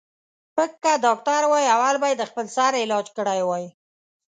ـ پک که ډاکتر وای اول به یې د خپل سر علاج کړی وای.